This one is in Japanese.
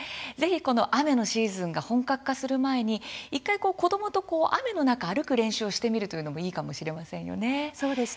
雨のシーズンが本格化する前に１回、子どもと雨の中、歩く練習をしてみるのもいいかもしれませんね。